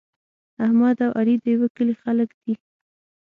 احمد او علي د یوه کلي خلک دي.